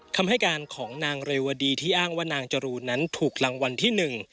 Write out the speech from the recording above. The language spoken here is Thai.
คำให้การของนางเรวดีที่อ้างว่านางจรูนนั้นถูกรางวัลที่หนึ่ง